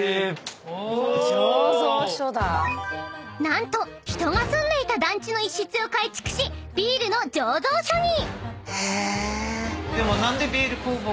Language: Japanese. ［何と人が住んでいた団地の一室を改築しビールの醸造所に！］